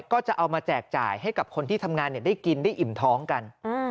ก็จะเอามาแจกจ่ายให้กับคนที่ทำงานได้กินได้อิ่มท้องกัน